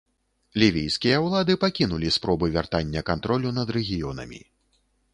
Лівійскія ўлады пакінулі спробы вяртання кантролю над рэгіёнамі.